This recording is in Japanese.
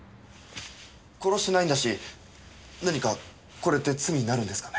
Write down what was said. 殺してないんだし何かこれって罪になるんですかね？